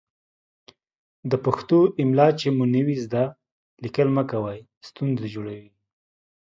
د پښتو املا چې مو نه وي ذده، ليکل مه کوئ ستونزې جوړوي.